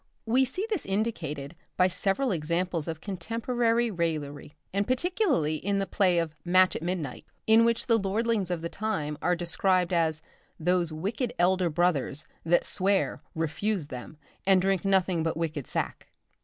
We see this indicated by several examples of contemporary raillery, and particularly in the play of 'Match at Midnight,' in which the lordlings of the time are described as "those wicked elder brothers, that swear, refuse them! and drink nothing but wicked sack."